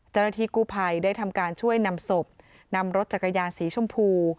เจ้าหน้าที่กู้ภัยได้ทำการช่วยนำศพนำรถจักรยานสีชมพู